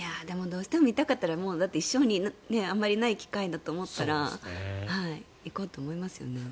どうしても見たかったら一生にあまりない機会だと思ったら行こうと思いますね。